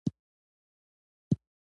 مامور باید خدمتګار وي